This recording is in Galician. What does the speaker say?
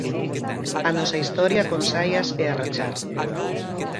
A nosa historia con saias e a rachar.